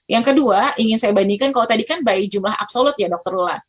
yang kedua ingin saya bandingkan kalau tadi kan bayi jumlah absolut ya dokter lula